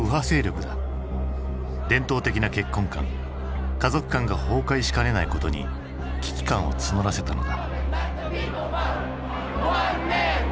伝統的な結婚観家族観が崩壊しかねないことに危機感を募らせたのだ。